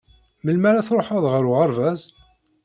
Melmi ara tṛuḥeḍ ɣer uɣerbaz?